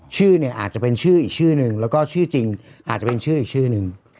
ชื่อเนี่ยอาจจะเป็นชื่ออีกชื่อนึงแล้วก็ชื่อจริงอาจจะเป็นชื่ออีกชื่อนึง